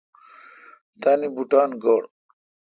تان بوٹان گوڑ۔